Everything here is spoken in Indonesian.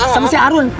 sama si harun